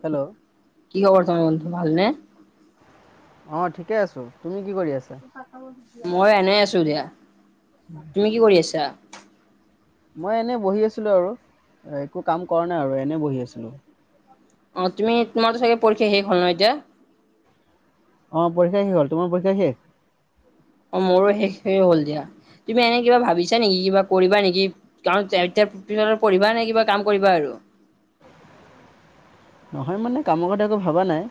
Hello! কি খবৰ [unintelligible] বন্ধু ভালনে? অ ঠিকে আছো। তুমি কি কৰি আছা? মই এনেই আছো দিয়া। তুমি কি কৰি আছা? মই এনেই বহি আছিলোঁ আৰু। একো কাম কৰা নাই আৰু এনেই বহি আছিলোঁ। অ তুমি তোমাৰ চাগে পৰীক্ষা শেষ হ'ল ন এতিয়া? অ পৰীক্ষা কি হ'ল। তোমাৰ পৰীক্ষা শেষ? অ মোৰো শেষে হ'ল দিয়া। তুমি এনে কিবা ভাবিছা নেকি কিবা কৰিবা নেকি [unintelligible] পঢ়িবা নে কিবা কাম কৰিবা আৰু? নহয় মানে কামৰ কথা এক ভবা নাই।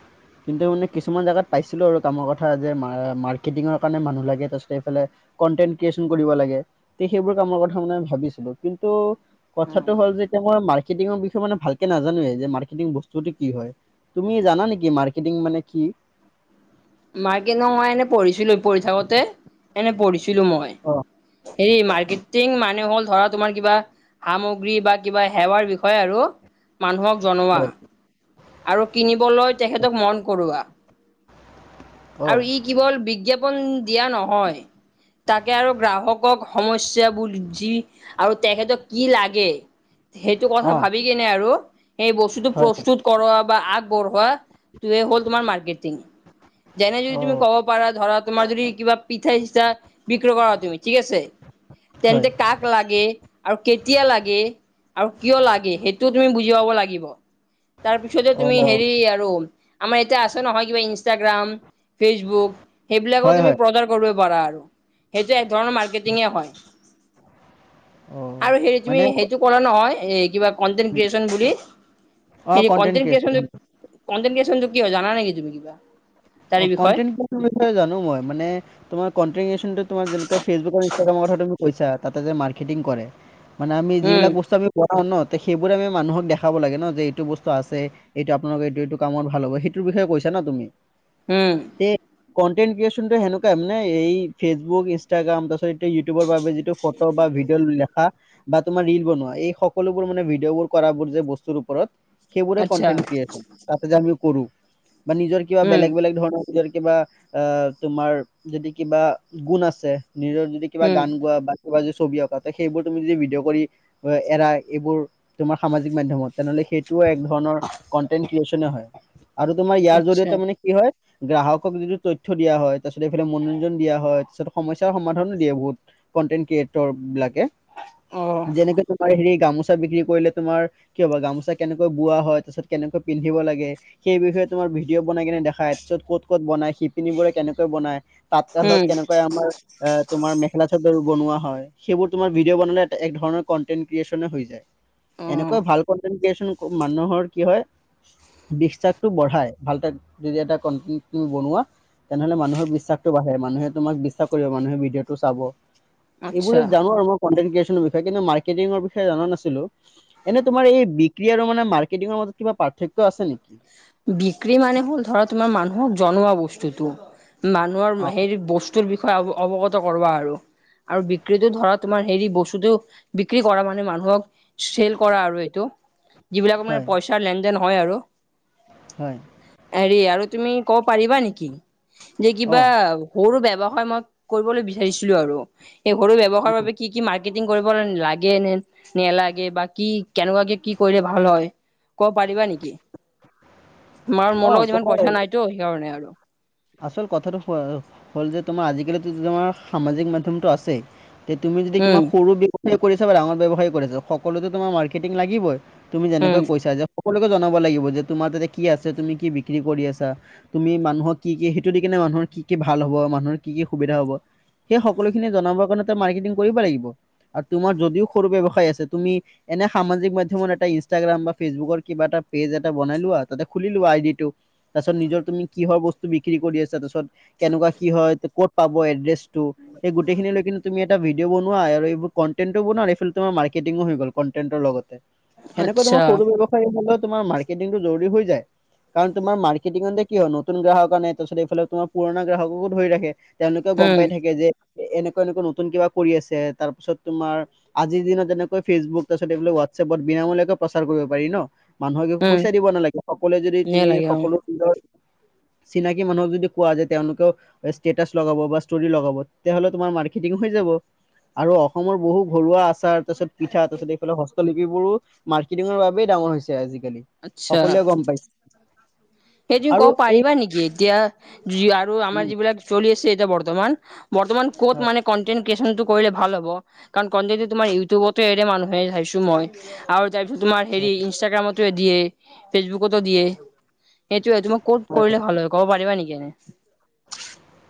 কিন্তু মানে কিছুমান জেগাত পাইছিলোঁ আৰু কামৰ কথা যে মা-মাৰ্কেটিঙৰ কাৰণে মানুহ লাগে তাৰপিছত এইফালে কনটেন্ট ক্ৰিয়েচন কৰিব লাগে, তে সেইবোৰ কামৰ কথা মানে ভাবিছিলো কিন্তু কথাটো হ'ল যে তোমাৰ মাৰ্কটিং বিষয়ে মান ভাকে নাজানোৱে যে মাৰ্কটিং বস্তু যে কি হয়। তুমি জানা নেকি মাৰ্কেটিং মানে কি? মাৰ্কটিং ন মই এনে পঢ়িছিলো পঢ়ি থাকোতে, এনে পঢ়িছিলো মই। অঁ এই মাৰ্কেটিং মানুহ হ'ল ধৰা তোমাৰ কিবা সামগ্ৰী বা কিবা সেৱাৰ বিষয়ে আৰু মানুহক জনোৱা। হয় আৰু কিনিবলৈ তেখেতক মন কৰোৱা। অঁ আৰু ই কেৱল বিজ্ঞাপন দিয়া নহয়। তাকে আৰু গ্ৰাহকক সমস্যাবোৰ যি আৰু তেখেতক কি লাগে সেইটো কথা অঁ ভাবি কেনে আৰু সেই বস্তুটো হয় প্ৰস্তুত কৰোৱা বা আগবঢ়োৱা টোৱে হ'ল তোমাৰ মাৰ্কেটিং। যেনে যদি তুমি অঁ ক'ব পাৰা ধৰা তোমাৰ যদি কিবা পিঠাই-চিঠা বিক্ৰী কৰা তুমি ঠিক আছে। হয় তেন্তে কাক লাগে, আৰু কেতিয়া লাগে আৰু কিয় লাগে? সেইটো তুমি বুজি পাব লাগিব। তাৰপিছতে অ তুমি হেৰি আৰু আমাৰ এতিয়া আছে নহয় কিবা ইনষ্টাগ্ৰাম ফেচবুক সেইবিলাকটো হয় তুমি হয় প্ৰচাৰ কৰিব পাৰা আৰু সেইটো এক ধৰণৰ মাৰ্কেটিঙে হয়। অ আৰু হেৰি মানে তুমি সেইটো কৰা নহয়। এই কিবা কণ্টেণ্ট ক্ৰিয়েচন বুলি অ সেই কণ্টেণ্ট ক্ৰিয়েচন ক্ৰিয়েচনটো, কণ্টেণ্ট ক্ৰিয়েচনটো কি হয় জানা নেকি তুমি কিবা? তাৰে অ বিষয়ে কণ্টেণ্ট ক্ৰিয়েচনৰ বিষয়ে জানো মই, মানে কণ্টেণ্ট ক্ৰিয়েচন তোমাৰ যেনেকা ফেচবুক, ইনষ্ট্ৰাগামত কথাটো কৈছা তাতে মাৰ্কেটিং কৰে মানে আমি উম যিবিলাক বস্তু আমি বনাওঁ ন। সেইবোৰে আমি মানুহক দেখাব লাগে ন যে এইটো বস্তু আছে, এইটো আপোনালোকৰ এইটো এইটো কামত ভাল হ'ব। সেইটো বিষয়ে কৈছা ন তুমি? উম। তে কণ্টেণ্ট ক্ৰিয়েচনটো সেনেকুৱাই মানে এই ফেচবুক, ইনষ্টাগ্ৰাম তাৰপিছত ইউটিউবৰ বাবে যিটো ফটো বা ভিডিঅ' লিখা বা তোমাৰ ৰিল বনোৱা। এই সকলোবোৰ মানে ভিডিঅ' বোৰ কৰাৰ যে বস্তুৰ ওপৰত সেইবোৰে আচ্ছা কনটেনট ক্ৰিয়েচন, তাতে যে আমি কৰো। বা নিজৰ কিবা উম বেলেগ বেলেগ ধৰণৰ নিজৰ কিবা আহ' তোমাৰ যদি কিবা গুণ আছে নিজৰ যদি- কিবা উম গান গোৱা বা কিবা যদি ছবি অঁকা ত' সেইবোৰ তুমি যদি ভিডিঅ' কৰি এৰা এইবোৰ- তোমাৰ সামাজিক মাধ্যমত তেনে হ'লে সেইটোও এক ধৰণৰ কনটেনট ক্ৰিয়েচনে হয়। আৰু তোমাৰ ইয়াৰ আচ্ছা জৰিয়তে মানে কি হয়- গ্ৰাহক যিটো তথ্য দিয়া হয়, তাৰপিছত এইফালে মনোৰঞ্জন দিয়া হয়, তাৰপিছত সমস্যাৰ সমাধানো দিয়ে বহুত। কনটেনট ক্ৰিয়েটৰ বিলাকে। অ যেনেকে তোমাৰ হেৰি গামোচা বিক্ৰী কৰিলে তোমাৰ- কিয় বা গামোচা কেনেকৈ বোৱা হয়, তাৰপিছত কেনেকৈ পিন্ধিব লাগে, সেই বিষয়ে তোমাৰ ভিডিঅ' বনাই কিনে দেখা খাই, তাৰপিছত ক'ত ক'ত বনাই, শিপিনী বোৰে কেনেকৈ বনাই, তাঁত শালত উম কেনেকৈ আমাৰ- এ তোমাৰ মেখেলা-চাদৰ বনোৱা হয়। সেইবোৰ তোমাৰ ভিডিঅ' বনালে এক ধৰণৰ কন্টেন্ট ক্ৰিয়েচনে হৈ যায়। অ এনেকৈ ভাল কণ্টেণ্ট ক্ৰিয়েচন- মানুহৰ কি হয় বিশ্বাসটো বঢ়াই, ভাল তাত- যদি এটা [unintelligible] বনোৱা- তেনে হ'লে মানুহৰ বিশ্বাসটো বাহে, মানুহে তোমাক বিশ্বাস কৰিব, মানুহে ভিডিঅ'টো চাব। এইবোৰে আচ্ছা জানো আৰু মই কণ্টেণ্ট ক্ৰিয়েচনৰ বিষয়ে। কিন্তু মাৰ্কেটিঙৰ বিষয়ে জানা নাছিলো। এনে তোমাৰ এই বিক্ৰী আৰু মানে মাৰ্কেটিঙৰ মাজত কিবা পাৰ্থক্য- আছে নেকি? বিক্ৰী মানে হ'ল ধৰা তোমাৰ মানুহক জনোৱা বস্তুটো। মানুহৰ অ', হেৰি বস্তুৰ বিষয়ে অৱগত কৰোৱা আৰু। আৰু বিক্ৰীটো ধৰা তোমাৰ হেৰি বস্তুটো বিক্ৰী কৰা মানে মানুহক- চেল কৰা আৰু এইটো। যিবিলাক মানে হয়, পইচাৰ লেন-দেন হয় আৰু। হয়। হেৰি আৰু তুমি ক'ব পাৰিবা নেকি যে অ', কিবা- সৰু ব্যৱসায় মই কৰিবলৈ বিচাৰিছিলো আৰু। এই সৰু ব্যৱসায় বাবে কি- কি মাৰ্কেটিং কৰিব লাগে নে নেলাগে বা কি কেনেকুৱাকে কি কৰিলে ভাল হয়। ক'ব পাৰিবা নেকি? মাৰ মোৰ অ', লগত ইমান তোমাৰ পইচা নাইতো সেইকাৰণে আৰু। আচল কথাটো হ'ল যে তোমাৰ আজিকালিতো তোমাৰ সামাজিক মাধ্যমটো আছেই- তে, তুমি যদি কিবা উম, সৰু ব্যৱসায় কৰি আছা বা ডাঙৰ ব্যৱসায়ী কৰি আছা সকলোতে তোমাৰ মাৰ্কেটিং লাগিবই। তুমি উম, যেনেকৈ কৈছা যে- সকলোকে জনাব লাগিব যে তোমাৰ তাতে কি আছে, তুমি কি বিক্ৰী কৰি আছা, তুমি মানুহক- কি কি সেইটো দি কিনে মানুহৰ কি কি ভাল হ'ব, মানুহৰ কি সুবিধা হ'ব- সেই সকলোখিনি জনাব কাৰণে তই মাৰ্কেটিং কৰিব লাগিব আৰু তোমাৰ যদিও সৰু ব্যৱসায় আছে তুমি- এনে সামাজিক মাধ্যমত এটা ইনষ্টাগ্ৰাম বা ফেচবুকৰ কিবা এটা পেজ এটা বনাই লোৱা তাতে খুলি লোৱা আই ডি টো। তাৰপিছত নিজৰ তুমি কিহৰ বস্তু বিক্ৰী কৰি আছা তাৰপিছত কেনেকুৱা কি হয়, ক'ত পাব এড্ৰেছটো সেই গোটেই খিনি লৈ কিনি তুমি এটা ভিডিঅ' বনোৱা আৰু এইবোৰ কনটেনটো বনোৱা এই ফালে তোমাৰ মাৰ্কেটিংও হৈ গ'ল কন্টেন্টৰ লগতে। সেনেকৈ আচ্ছা, তোমাৰ সৰু ব্যৱ হায় হলো তোমাৰ মাৰ্কেটিংটো জল্দি হৈ যায় কাৰণ তোমাৰ মাৰ্কেটিংটে কি হয় নতুন গ্ৰাহক- কাৰণে তাৰপাছত এইফালে তোমাৰ পুৰণা গ্ৰাহকো ধৰি ৰাখে তেওঁলোকেও গম উম, পাই থাকে যে- এনেকুৱা এনেকুৱা নতুন কিবা কৰি আছে তাৰ পিছত তোমাৰ- আজিৰ দিনত যেনেকৈ ফেচবুক তাৰিছত এইফালে হোৱাটছএপত বিনামূলীয়াকৈ প্ৰচাৰ কৰিব পাৰি ন'। মানুহক একো উম, পইচা দিব নালাগে, সকলোৱে যদি ধুনীয়া তুমি লাগে অ', সকলো নিজৰ- চিনাকি মানুহক যদি কোৱা যে তেওঁলোকেও- ষ্টেটাচ লগাব বা ষ্টোৰি লগাব তেতিয়া হ'লে তোমাৰ মাৰ্কেটিং হৈ যাব। আৰু অসমৰ বহু ঘৰুৱা আ তাৰ পিছত পিঠা তাৰপিছ এইফালে হস্তলিপিবোৰো মাৰ্কেটিঙৰ বাবেই ডাঙৰ হৈছে আজিকালি। আচ্ছা, সকলোৱে গম পাইছে। [inaudible] সেই তুমি আৰু ক'ব এই পাৰিবা নেকি? এতিয়া যি আৰু আমাৰ উম, যিবিলাক চলি আছে এতিয়া বৰ্তমান। বৰ্তমান ক'ত হয় মানে কনটেণ্ট ক্ৰিয়েচনটো কৰিলে ভাল হ'ব? কাৰণ কনটেন্টো তোমাৰ ইউটিউবতে এৰে মানুহে চাইছো মই, আৰু তাৰপিছত তোমাৰ হেৰি ইনষ্টাগ্ৰামত দিয়ে, ফেচবুকতো দিয়ে, সেইটোৱে তোমাৰ ক'ত কৰিলে ভাল হয়। ক'ব পাৰিবা নেকি এনে?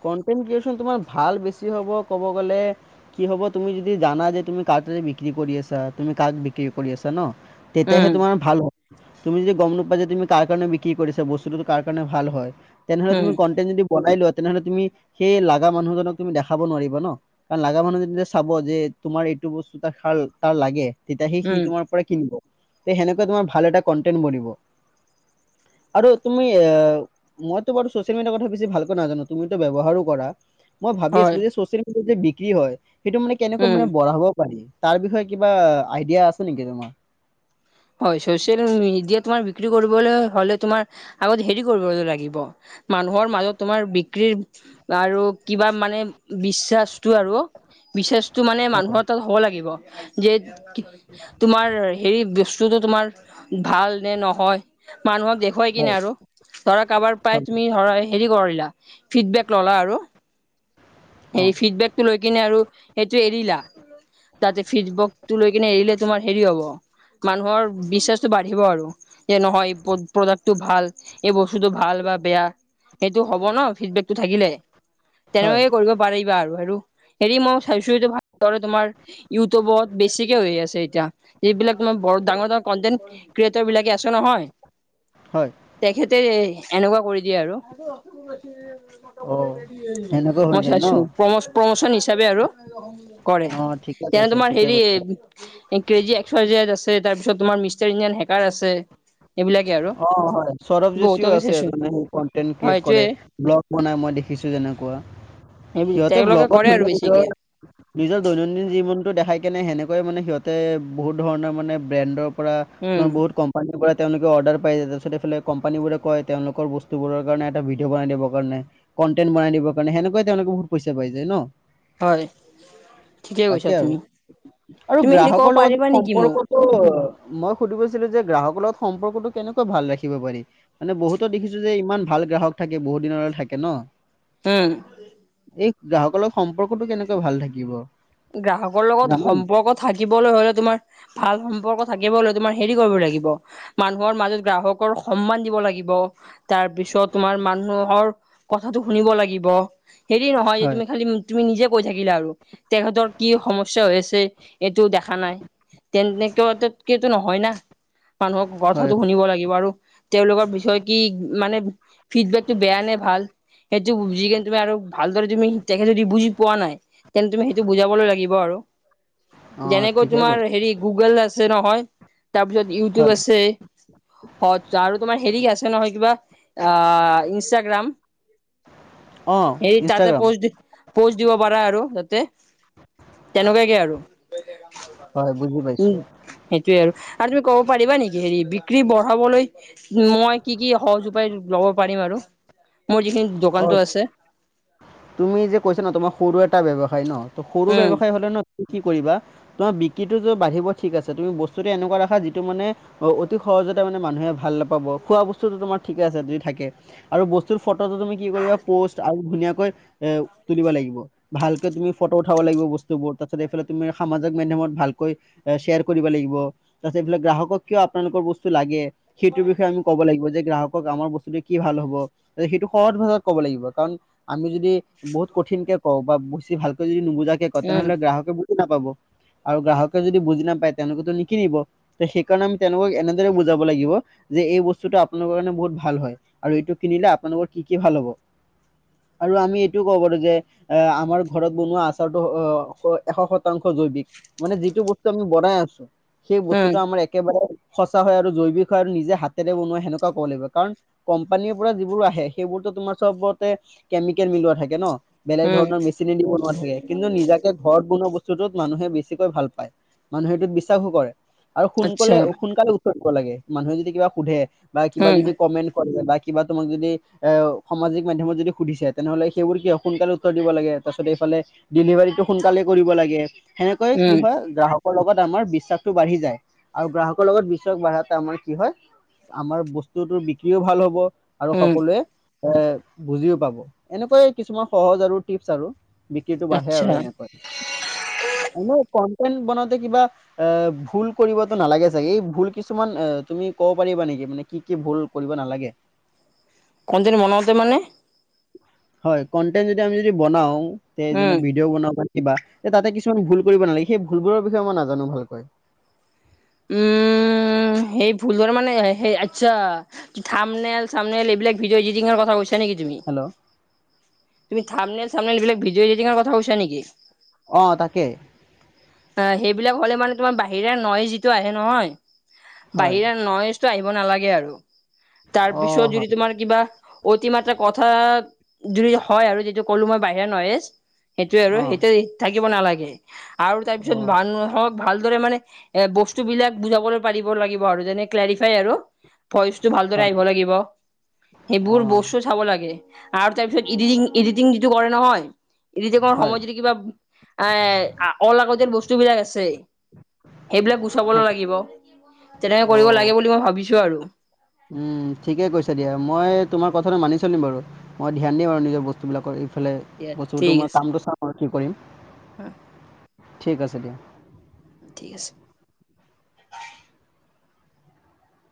কনটেন্ট ক্ৰিয়েচন তোমাৰ ভাল বেছি হ'ব ক'ব গ'লে। কি হ'ব তুমি যদি জানা যে তুমি কাৰ তাতে বিক্ৰী কৰি আছা। তুমি কাক বিক্ৰী কৰি আছা ন। তেতিয়াহে উম, তোমাৰ ভাল হ'ব। তুমি যদি গম নোপোৱা যে তুমি কাৰ কাৰণে বিক্ৰী কৰিছা, বস্তুটো কাৰ কাৰণে ভাল হয়। তেনেহলে উম, তুমি কনণ্টেন যদি বনাই লোৱা তেনেহলে তুমি, সেই লাগা মানুহজনক তুমি দেখাব নোৱাৰিবা ন। কাৰণ লাগা মানুহে যেতিয়া চাব যে তোমাৰ এইটো বস্তু তাৰ তাৰ লাগে, তেতিয়াহে সি উম, তোমাৰ পৰাই কিনিব, সেনেকে তোমাৰ ভাল এটা কনটেন্ট বনিব। আৰু তুমি, এ মইতো বাৰু ছচিয়েল মিডিয়াৰ কথা বেছি ভাল একো নাজানো, তুমি ত' ব্যৱহাৰো কৰা, মই ভাবি হয়, আছো যে চচিৱেল মিডিয়াত যে বিক্ৰী হয় সেইটো মানে কেনেকৈ উম। মানে বঢ়াব পাৰি, তাৰ বিষয়ে কিবা আইডিয়া আছে নেকি তোমাৰ। হয়' চচিয়েল মিডিয়াত তোমাৰ বিক্ৰী কৰিবলৈ হলে, তোমাৰ আগত হেৰি কৰিব লাগিব। মানুহৰ মাজত তোমাৰ বিক্ৰীৰ আৰু কিবা মানে বিশ্বাসটো আৰু বিশ্বাস টো মানে হয় মানুহৰ তাত হ'ব লাগিব। যে তোমাৰ হেৰি বস্তুটো তোমাৰ ভাল নে নহয়, মানুহক দেখুৱাই কিনে হয় আৰু, ধৰা কাবাৰ পাই হয় তুমি হেৰি কৰিলা, ফিডবেক ল'লা আৰু অ হেৰি ফিডবেক টো লৈ কিনে আৰু সেইটো এৰিলা, তাতে ফিডবেকটো লৈ কিনে এৰিলে তোমাৰ হেৰি হ'ব। মানুহৰ বিশ্বাসটো বাঢ়িব আৰু। যে নহয় এই প্ৰডাক্টটো ভাল, এই বস্তুটো ভাল বা বেয়া। সেইটো হ'ব ন ফিডবেকটো থাকিলে। হয় তেনেকুৱাকে কৰিব পাৰিবা আৰু, আৰু হেৰি মই চাইছো যে ভালদৰে তোমাৰ ইউটউবত বেছিকে হৈ আছে এতিয়া, এইবিলাক বৰ ডাঙৰ ডাঙৰ কনটেন্ট ক্ৰিয়েটৰ বিলাকে আছে নহয়। হয় তেখেতে এনেকুৱা কৰি দিয়ে আৰু। অ', সেনেকুৱা হৈ মই যায় ন? চাইছো, প্ৰম প্ৰমচন হিচাপে আৰু। কৰে, অ', ঠিকে তেওঁ কৈছে, তোমাৰ ঠিকে হেৰি কৈছে। ক্ৰেজি এস্ক উৱাই জেড আছে, তাৰপিছত তোমাৰ মিষ্টাৰ ইন্দিয়ান হেকাৰ আছে। এইবিলাকে আৰু। অ' হয়, সৌৰভ যোশীও বহুতকে আছে, চাইছো এজনে কনটেণ্ট হয় ক্ৰিয়েট কৰে। এইটোয়ে ব্লগ বনাই মই দেখিছো যেনেকুৱা, সেই সিহঁতে তেওঁলোকে ব্লগত কৰে শুনি আৰু নিজৰ বেছিকে নিজৰ দৈনন্দিন জীৱনটো দেখাই কেনে, সেনেকৈ মানে সিহঁতে বহুত ধৰণৰ মানে ব্ৰেণ্ডৰ পৰা, উম তোমাৰ বহুত কোম্পানীৰ পৰা তেওঁলোকে অৰ্ডাৰ পাই, তাৰপিছত এইফালে কম্পানীবোৰে কয়, তেওঁলোকৰ বস্তুবোৰৰ কাৰণে এটা ভিডিঅ' বনাই দিব কাৰণে। কনটেন্ট বনাই দিব কাৰণে, সেনেকৈ তেওঁলোকে বহুত পইচা পাই যায় ন। হয় ঠিকে কৈছা তাকে আৰু। তুমি আৰু তুমি হেৰি ক'ব গ্ৰাহকৰ লগত পাৰিবা নেকি সম্পৰ্ক মোক ত' মই সুধিব লৈছিলোঁ যে, গ্ৰাহকৰ লগত সম্পৰ্কটো কেনেকৈ ভাল ৰাখিব পাৰি? মানে বহুতো দেখিছো যে ইমান ভাল গ্ৰাহক থাকে, বহুত দিনলে থাকে ন। উম। এ গ্ৰাহকৰ লগত সম্পৰ্কটো কেনেকৈ ভাল থাকিব? গ্ৰাহকৰ লগত জানা নেকি? সম্পৰ্কত- থাকিবলৈ হলে তোমাৰ ভাল সম্পৰ্ক থাকিব ল তোমাৰ হেৰি কৰিব লাগিব? মানুহৰ মাজত গ্ৰাহকৰ সন্মান দিব লাগিব, তাৰ পিছত তোমাৰ মানুহৰ- কথাটো শুনিব লাগিব, হেৰি নহয় যে হয়, তুমি খালি তুমি নিজে কৈ থাকিলা আৰু। তেখেতৰ কি সমস্যা হৈ আছে? এইটো দেখা নাই। তেনেকেটো নহয় নাহ, মানুহৰ হয়, কথাটো শুনিব লাগিব আৰু- তেওঁলোকৰ বিষয়ে কি মানে ফিডবেকটো বেয়া নে ভাল? সেইটো বুজি কিনে তুমি আৰু ভালদৰে তুমি তেখেতে যদি বুজি পোৱা নাই, তেন্তে তুমি- টো বুজাবলৈ লাগিব আৰু, অ' যেনেকৈ ঠিকে তোমাৰ কৈছে হেৰি গুগল আছে নহয়। তাৰপিছত ইউটোব হয়, আছে। অত আৰু তোমাৰ হেৰি আছে নহয় কিবা? অঁ ইনষ্টাগ্ৰাম। অ' হেৰি তাতে ইনষ্টাগ্ৰাম পৌচ দি পৌচ দিব পাৰা আৰু তাতে। তেনেকুৱাকে আৰু। হয় বুজি পাইছোঁ। উম'। সেইটোৱে আৰু, আৰু তুমি ক'ব পাৰিবা নেকি হেৰি বিক্ৰী বঢ়াবলৈ- মই কি কি সহজ উপায় ল'ব পাৰিম আৰু? মোৰ যিখিনি অ' দোকানতো আছে। তুমি যে কৈছা ন তোমাৰ সৰু এটা ব্যৱসায় ন, ত সৰু উম ব্যৱসায় হলে ন তুমি কি কৰিবা? তোমাৰ বিক্ৰীটোটো বাঢ়িব ঠিক আছে, তুমি বস্তুটো এনেকুৱা ৰাখা যিটো মানে- অ অতি সহজতে মানে মানুহে ভাল নাপাব, খোৱা বস্তুতোটো তোমাৰ ঠিকে আছে যদি থাকে। আৰু বচ- তোৰ ফটোটো তুমি কি কৰিবা? প'ষ্ট আৰু ধুনীয়াকৈ এ তুলিব লাগিব। ভালকে তুমি ফটো উঠাব লাগিব বস্তুবোৰ। তাৰপিছত এইফালে তুমি সামাজিক মাধ্যমত ভালকৈ- এ শ্বেয়াৰ কৰিব লাগিব, তাৰপিছত এইবিলাক গ্ৰাহক কিয় আপোনালোকৰ বস্তু লাগে- সেইটোৰ বিষয়ে আমি ক'ব লাগিব যে গ্ৰাহকক আমাৰ বস্তুটোৱে কি ভাল হ'ব? সেইটো- সহজ ভাষাত ক'ব লাগিব, কাৰণ আমি যদি বহুত কঠিন কে কওঁ বা বেছি ভালকে যদি নুবুজাক- কে কওঁ উম তেনেহলে গ্ৰাহকে বুজি নাপাব, আৰু গ্ৰাহকে যদি বুজি নাপায় তেওঁলোকেতো নিকিনিব। যে সেইকাৰণে আমি তেওঁলোকক এনেদৰে বুজাব লাগিব, যে এই বস্তুটো আপোনালোকৰ কাৰণে বহুত ভাল হয়। আৰু এইটো কিনিলে আপোনালোকৰ কি কি ভাল হব? আৰু আমি- টো ক'ব পাৰো যে, এ আমাৰ ঘৰত বনোৱা আচাৰটো এশ শতাংশ জৈৱিক। মানে যিটো বস্তু আমি বনাই আছো, সেই উম বস্তুটো আমাৰ একেবাৰে- সঁচা হয় আৰু জৈৱিক হয় আৰু নিজে হাতেৰে বনোৱা সেনেকুৱা ক'ব লাগিব। কাৰণ- কম্পানীৰ পৰা যিবোৰ আহে, সেইবোৰতো তোমাৰ চবতে কেমিকেল মিলোৱা থাক- কে ন, বেলেগ উম ধৰণৰ মেচিনে দিব থাকে। কিন্তু নিজাকে- ঘৰত বনোৱা বস্তুটোত মানুহে বেছিকৈ ভাল পায়, মানুহে এইটোত বিশ্বাসো কৰে। আৰু আচ্ছা সোনকলে সোনকালে উত্তৰ দিব লাগে, মানুহে যদি কিবা সুধে বা কিবা উম যদি কমেন্ট কৰে বা- কিবা তোমাক যদি এ সামাজিক মাধ্যমত যদি সুধিছে, তেনেহ'লে- সেইবোৰ কিয়? সোনকালে উত্তৰ দিব লাগে তাপিছত এইফালে ডেলিভাৰীটো সোনকালে কৰিব লাগে। সেনেকৈ কি উম হয়? গ্ৰাহক- কৰ লগত আমাৰ বিশ্বাসতটো বাঢ়ি যায়, আৰু গ্ৰাহকৰ লগত বিশ্বাস বাঢ়াতে আমাৰ কি হয়- আমাৰ বস্তুতোৰ বিক্ৰীও ভাল হ'ব, - আৰু উম সকলোৱে এ বুজিও পাব এনেকুৱাই কিছুমান সহজ আৰু টিপছ আৰু। বিক্ৰীতো বাঢ়ে আচ্ছা আৰু এনেকৈ। [unintelligible] এনেই কনটেনট বনাওঁতে কিবা- এ ভুল কৰিবতো নালাগে চাগে? এই ভুল কিছুমান এহ তুমি ক'ব পাৰিবা নেকি মানে- কি কি ভুল কৰিব নালাগে? কন্টেন বনাওঁতে মানে- হয়। কন্টেন্ট যদি আমি যদি বনাওঁ, তে যেনে উম ভিডিঅ' বনাওঁ কিবা তাতে কিছুমান ভুল কৰিব নালাগে। সেই ভুলবোৰৰ বিষয়ে মই নাজানো ভালকৈ? উম। উম, সেই ভুল বোৰ মানে সেই আচ্ছা। থামনেল চামনেল এইবিলাক ভিডিঅ' এডিটিঙৰ কথি কৈছা নেকি তুমি? হেল্ল'? তুমি থামনেল চামনেল এইবিলাক ভডিঅ' এডিঙৰ কথা কৈছা নেকি? অ' তাকে। অ' সেইবিলাক হ'লে মানে তোমাৰ বাহিৰা নইজ যিটো আহে নহয় হয় বাহিৰা ন্ইজটো আহিব নালাগে আৰু, তাৰ অ পিছত যদি হয় তোমাৰ কিবা অতিমাত্ৰ কথা যদি হয়, আৰু যিটো ক'লো মই বাহিৰা নইজ সেইটো আৰু অ সেইটো থাকিব নালাগে। আৰু তাৰ অ পিছত মানুহক ভালদৰে মানে এ বস্তু বিলাক বুজাবলৈ পাৰিব লাগিব আৰু, যেনে ক্লেৰিফাই আৰু। ভইচ টো ভালদৰে হয় আহিব লাগিব। অ সেইবোৰ বস্তুত চাব লাগে। আৰু তাৰ পিছত এডিটিং এডিটিং যিটো কৰে নহয়, এডিটিংৰ হয় সময়ত যদি কিবা এ অলাগতীয় বস্তু বিলাক আছে, সেইবিলাক গুচাবলৈ লাগিব। তেনেকে অ কৰিব লাগে বুলি মই ভাবিছো আৰু। উম, ঠিকে কৈছা দিয়া, মই তোমাৰ কথাটো মানি চলিম বাৰু, মই ধ্যান দিম আৰু নিজৰ বস্তুবিলাকৰ ইফালে দিয়া ঠিক বস্তুটো মই আছে কামটো চাম আৰু কি কৰিম, অ ঠিক আছে দিয়া। ঠিক আছে।